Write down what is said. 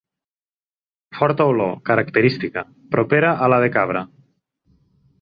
Forta olor, característica, propera a la de cabra.